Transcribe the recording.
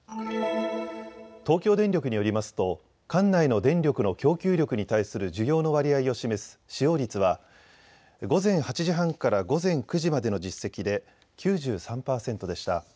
東京電力によりますと管内の電力の供給力に対する需要の割合を示す使用率は、午前８時半から午前９時までの実績で９３％でした。